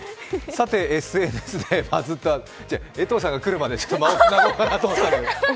さて、ＳＮＳでバズッたいや、江藤さんが来るまで場をつなごうと思ったの。